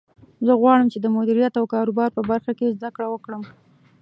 زه غواړم چې د مدیریت او کاروبار په برخه کې زده کړه وکړم